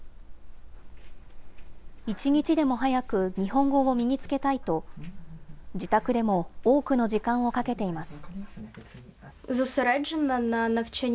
一日でも早く日本語を身につけたいと、自宅でも多くの時間をかけています。